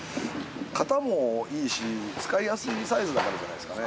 ◆形もいいし、使いやすいサイズだからじゃないですかね。